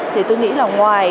thì tôi nghĩ là ngoài